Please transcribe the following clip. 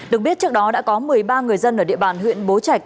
được biết trước đó đã có một mươi ba người dân ở địa bàn huyện bố trạch